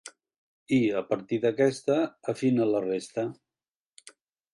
I, a partir d'aquesta, afina la resta.